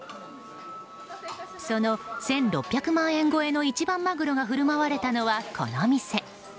その１６８８万円超えの一番マグロが振る舞われたのは、この店。